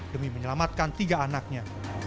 demi menyelamatkan tiga anaknya